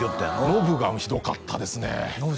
ノブがひどかったですね